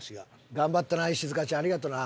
頑張ったな石塚ちゃんありがとな。